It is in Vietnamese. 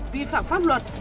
vi phạm pháp luật